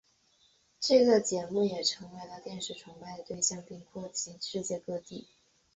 这个节目也成为电视崇拜的对象并扩及世界各地。